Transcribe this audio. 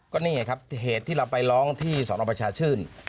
ก็นี่ไงครับเหตุที่เราไปร้องที่สนประชาชื่น